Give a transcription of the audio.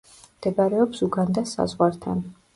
მდებარეობს უგანდას საზღვართან.